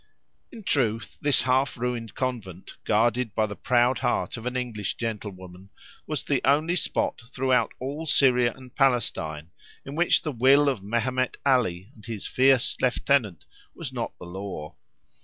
In truth, this half ruined convent, guarded by the proud heart of an English gentlewoman, was the only spot throughout all Syria and Palestine in which the will of Mehemet Ali and his fierce lieutenant was not the law.